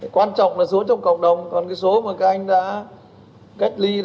quan trọng là dối trong cộng đồng còn cái số mà các anh đã cách ly